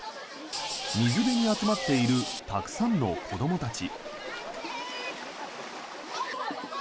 水辺に集まっているたくさんの子供たち。